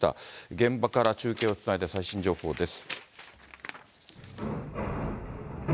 現場から中継をつないで最新情報です。